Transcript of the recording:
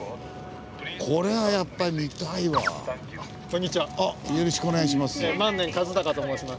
これはやっぱり見たいわ。